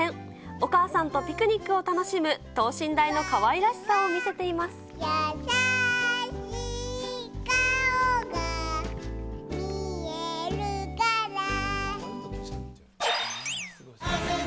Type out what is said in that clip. お母さんとピクニックを楽しむ等身大のかわいらしさを見せています。